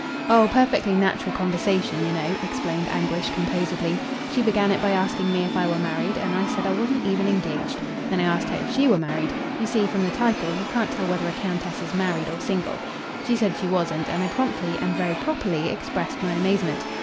"Oh, perfectly natural conversation, you know," explained Anguish, composedly. "She began it by asking me if I were married, and I said I wasn't even engaged. Then I asked her if she were married. You see, from the title, you can't tell whether a countess is married or single. She said she wasn't, and I promptly and very properly expressed my amazement.